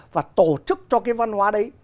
và tổ chức cho cái văn hóa đấy